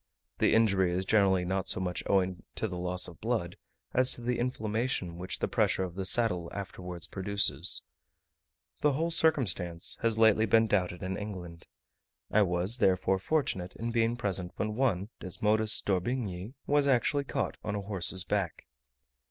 The injury is generally not so much owing to the loss of blood, as to the inflammation which the pressure of the saddle afterwards produces. The whole circumstance has lately been doubted in England; I was therefore fortunate in being present when one (Desmodus d'orbignyi, Wat.) was actually caught on a horse's back.